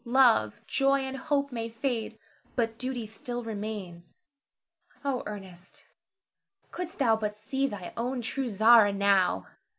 Love, joy, and hope may fade, but duty still remains. Oh, Ernest, couldst thou but see thy own true Zara now!